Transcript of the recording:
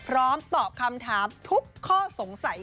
พร้อมตอบคำถามทุกข้อสงสัย